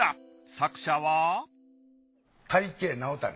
作者はあ。